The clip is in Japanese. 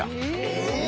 え！？